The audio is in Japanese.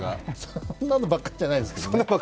そんなのばっかりじゃないですけどね。